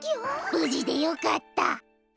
ぶじでよかった。